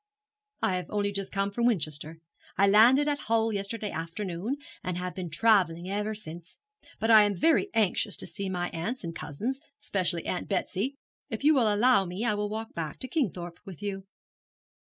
'I have only just come from Winchester. I landed at Hull yesterday afternoon, and I have been travelling ever since. But I am very anxious to see my aunts and cousins, especially Aunt Betsy. If you will allow me, I will walk back to Kingthorpe with you.'